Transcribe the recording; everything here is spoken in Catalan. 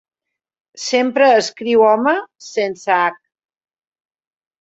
Sempre escriu 'home' sense 'hac'.